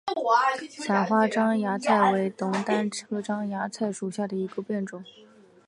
伞花獐牙菜为龙胆科獐牙菜属下的一个变种。